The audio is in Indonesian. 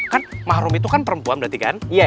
kan mahrum itu kan perempuan berarti kan